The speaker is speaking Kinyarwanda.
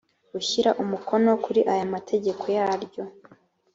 gushyira umukono kuri aya mategeko yaryo